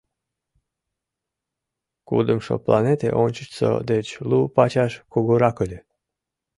Кудымшо планете ончычсо деч лу пачаш кугурак ыле.